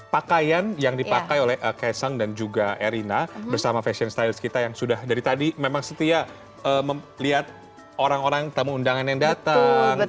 pakaian yang dipakai oleh kaisang dan juga erina bersama fashion styles kita yang sudah dari tadi memang setia melihat orang orang tamu undangan yang datang